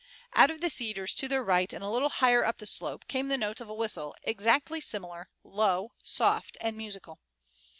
Out of the cedars to their right and a little higher up the slope came the notes of a whistle, exactly similar, low, soft and musical.